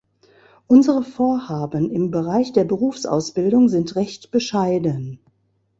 Unsere Vorhaben im Bereich der Berufsausbildung sind recht bescheiden.